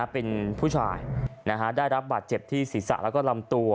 เป็นผู้ชายได้รับบาดเจ็บที่ศีรษะแล้วก็ลำตัว